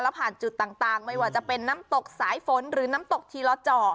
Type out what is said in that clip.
ผ่านจุดต่างไม่ว่าจะเป็นน้ำตกสายฝนหรือน้ำตกทีลอจ่อ